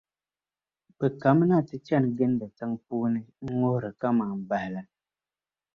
bɛ kanimina ti chani gindi tiŋ’ puuni ŋ-ŋuhiri kaman bahi la.